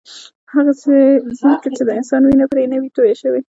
هغسې ځمکه چې د انسان وینه پرې نه وي تویه شوې.